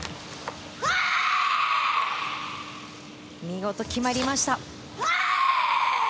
見事決まりました。